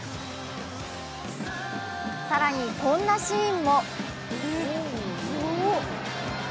更にこんなシーンも。